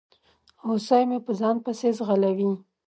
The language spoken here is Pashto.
هوسۍ مې په ځان پسي ځغلوي